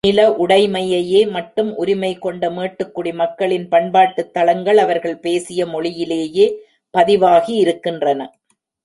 நில உடைமையையே மட்டும் உரிமை கொண்ட மேட்டுக்குடி மக்களின் பண்பாட்டுத்தளங்கள் அவர்கள் பேசிய மொழியிலேயே பதிவாகி இருக்கின்றன.